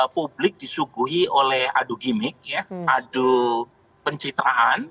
publik disuguhi oleh adu gimmick adu pencitraan